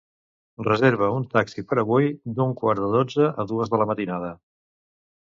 Reserva un taxi per avui d'un quart de dotze a dues de la matinada.